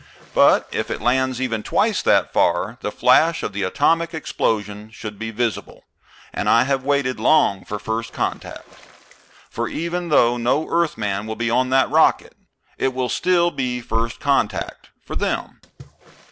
But if it lands even twice that far the flash of the atomic explosion should be visible. And I have waited long for first contact. For even though no Earthman will be on that rocket, it will still be first contact for them.